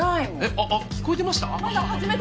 あっ聞こえてました？